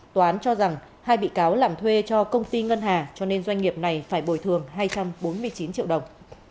tòa án cho rằng hai bị cáo làm thuê cho công ty ngân hà cho nên doanh nghiệp này phải bồi thường hai trăm bốn mươi chín triệu đồng